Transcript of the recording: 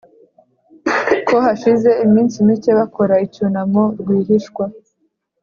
ko hashize iminsi mike bakora icyunamo rwihishwa